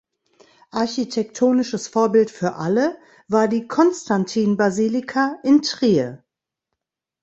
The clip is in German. Architektonisches Vorbild für alle war die Konstantinbasilika in Trier.